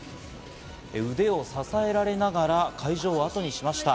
腕を支えられながら会場をあとにしました。